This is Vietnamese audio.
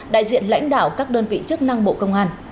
đại diện lãnh đạo các đơn vị chức năng bộ công an